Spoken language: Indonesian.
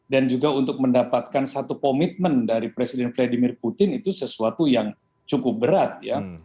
dan juga untuk mendapatkan satu komitmen dari presiden vladimir putin itu sesuatu yang cukup berat ya